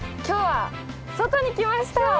今日は外に来ました。